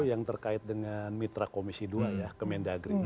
itu yang terkait dengan mitra komisi ii ya kemendagri